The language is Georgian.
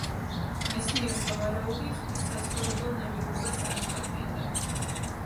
მეცნიერთა ვარაუდით ის საცხოვრებელ ნაგებობას წარმოადგენდა.